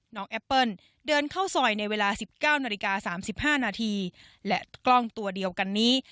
น้องแอปเปิ้ลเดินเข้าซอยในเวลาสิบเก้านาฬิกาสามสิบห้านาทีและกล้องตัวเดียวกันนี้